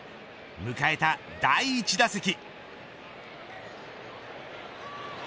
迎えた第１打席。